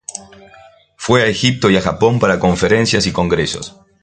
Fue a Egipto y a Japón para conferencias y congresos.